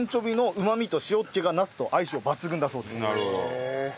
へえ。